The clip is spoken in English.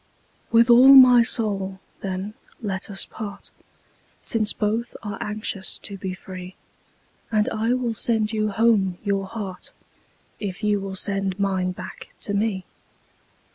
With all my soul, then, let us part, Since both are anxious to be free; And I will sand you home your heart, If you will send mine back to me.